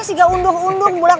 sih gak mundur mundur